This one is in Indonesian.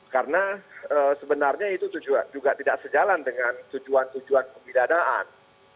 karena sebenarnya itu juga tidak sejalan dengan tujuan tujuan pembedaan